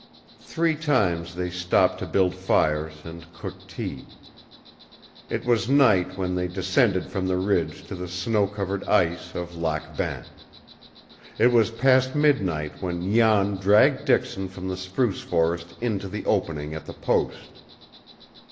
Three times they stopped to build fires and cook tea. It was night when they descended from the ridge to the snow covered ice of Lac Bain. It was past midnight when Jan dragged Dixon from the spruce forest into the opening at the post.